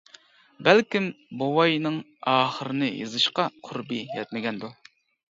بەلكىم بوۋاينىڭ ئاخىرىنى يېزىشقا قۇربى يەتمىگەندۇ.